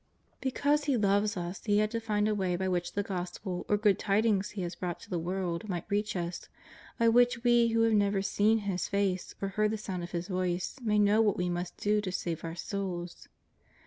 Because He loves us He had to find a way by which the Gospel or good tidings He has brought to the world might reach us, by which we who have never seen His face or heard the sound of His voice may know what we must do to save our souls.